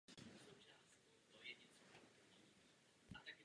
Přes to všechno však měl smysl pro vyšší dobro.